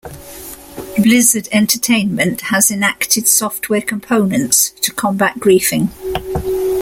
Blizzard Entertainment has enacted software components to combat griefing.